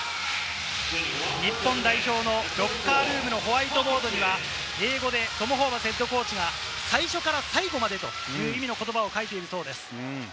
日本代表のロッカールームのホワイトボードには、英語でトム・ホーバスＨＣが、最初から最後までという意味の言葉を書いているそうです。